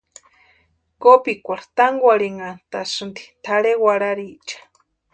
Kopikwarhu tánkwarhintanhantasïnti tʼarhe warhariecha.